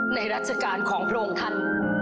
รัชกาลของพระองค์ท่าน